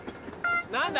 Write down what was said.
何だ？